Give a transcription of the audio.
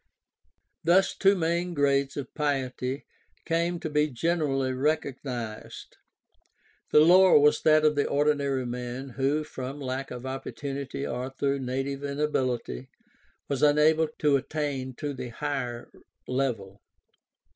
Thus two main grades of piety came to be generally recog nized. The lower was that of the ordinary man who, from lack of opportunity or through native inability, was unable to attain to the higher level.